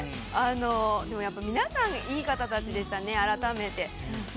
でもやっぱり皆さんいい方たちでしたね、改めて。